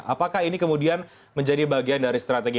apakah ini kemudian menjadi bagian dari strategi